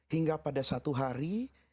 hingga pada suatu hari